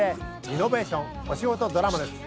リノベーション・お仕事ドラマ！」です。